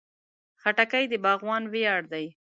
خټکی د باغوان ویاړ دی.